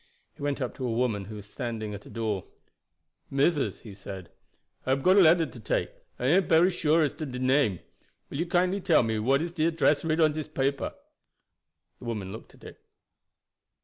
He went up to a woman who was standing at a door. "Missus," he said, "I hab got a letter to take, and I ain't bery sure as to de name. Will you kindly tell me what is de address writ on dis paper?" The woman looked at it.